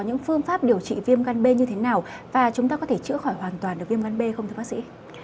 những phương pháp điều trị viêm gan b như thế nào và chúng ta có thể chữa khỏi hoàn toàn được viêm gan b không thưa bác sĩ